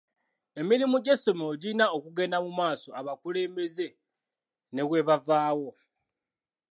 Emirimu gy'essomero girina okugenda mu maaso abakulembeze ne bwe bavaawo.